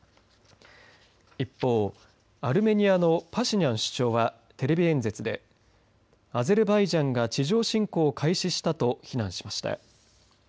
一方アルメニアのパシニャン首相はテレビ演説でアゼルバイジャンが地上侵攻を開始したと非難しました。